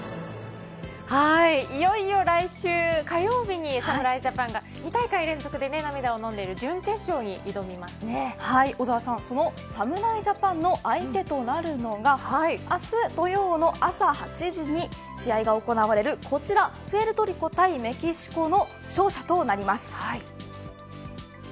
いよいよ来週火曜日に侍ジャパンが２大会連続で涙をのんでいる準決勝に小澤さん、その侍ジャパンの相手となるのが明日土曜の朝８時に試合が行われる、こちらプエルトリコ対メキシコの勝者となります。